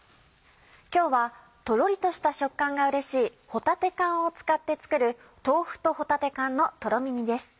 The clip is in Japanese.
今日はとろりとした食感がうれしい帆立缶を使って作る「豆腐と帆立缶のとろみ煮」です。